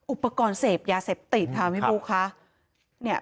อุปกรณ์เสพยาเสพติดค่ะพี่บุ๊คค่ะ